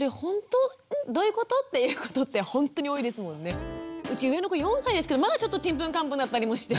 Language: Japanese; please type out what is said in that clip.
確かにうち上の子４歳ですけどまだちょっとちんぷんかんぷんだったりもして。